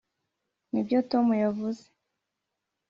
nibyo tom yavuze?